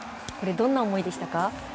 どんな思いでしたか？